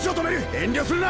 遠慮するな。